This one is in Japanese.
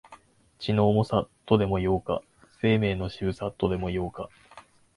血の重さ、とでも言おうか、生命の渋さ、とでも言おうか、